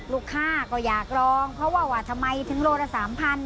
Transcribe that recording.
ลูกค้าก็อยากลองเพราะว่าว่าทำไมถึงโลละ๓๐๐